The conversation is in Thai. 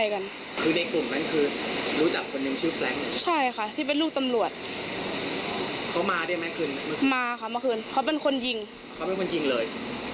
เขาเป็นคนยิงเลย